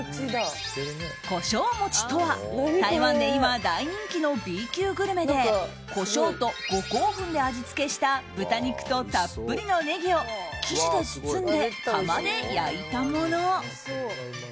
胡椒餅とは、台湾で今大人気のＢ級グルメでコショウと五香粉で味付けした豚肉とたっぷりのネギを生地で包んで窯で焼いたもの。